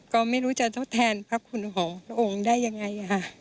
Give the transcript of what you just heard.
ก็ไม่รู้จะทดแทนพระคุณของพระองค์ได้ยังไง